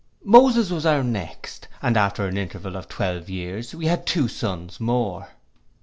Moses was our next, and after an interval of twelve years, we had two sons more.